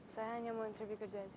saya hanya mau interview kerja aja